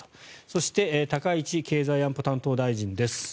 そして高市経済安保担当大臣です。